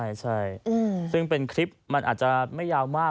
ใช่ซึ่งเป็นคลิปมันอาจจะไม่ยาวมาก